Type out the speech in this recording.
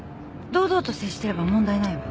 堂々と接してれば問題ないわ。